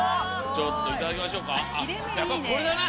ちょっといただきましょうかやっぱこれだな。